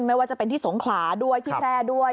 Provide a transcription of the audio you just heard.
ไม่ว่าจะเป็นที่สงขลาด้วยที่แพร่ด้วย